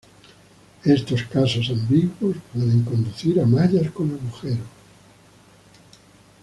Estos casos ambiguos pueden conducir a mallas con agujeros.